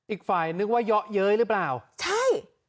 อีกฝ่ายนึกว่าเยาะเย้ยหรือเปล่าใช่